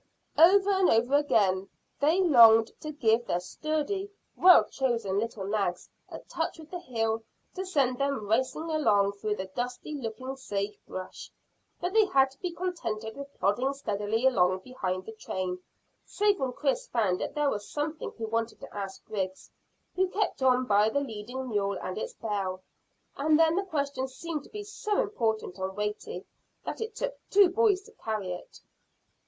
Over and over again they longed to give their sturdy, well chosen little nags a touch with the heel to send them racing along through the dusty looking sage brush; but they had to be contented with plodding steadily along behind the train, save when Chris found that there was something he wanted to ask Griggs, who kept on by the leading mule and its bell, and then the question seemed to be so important and weighty that it took two boys to carry it.